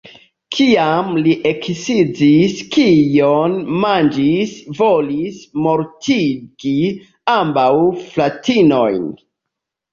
Kiam li eksciis kion manĝis, volis mortigi ambaŭ fratinojn.